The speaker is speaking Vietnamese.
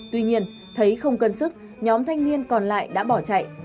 tuy nhiên thấy không cân sức nhóm thanh niên còn lại đã bỏ chạy